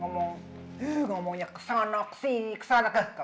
ngomongnya kesana kesini kesana ke